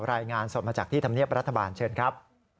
รายงานสดมาจากที่ธรรมเนียบรัฐบาลเชิญครับ